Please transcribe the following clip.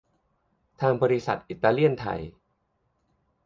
ทางบริษัทอิตาเลียนไทย